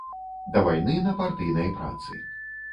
Да вайны на партыйнай працы.